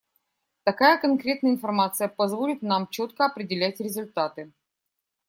Такая конкретная информации позволит нам четко определять результаты.